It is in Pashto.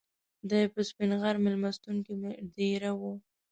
دای په سپین غر میلمستون کې دېره و.